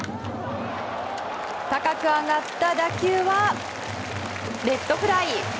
高く上がった打球はレフトフライ。